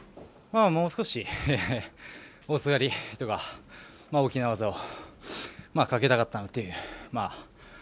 もう少し、大外刈りとか大きな技をかけたかったなという。